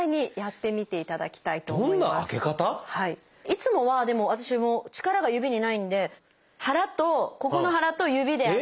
いつもはでも私も力が指にないんで腹とここの腹と指で開けるのはどうでしょう？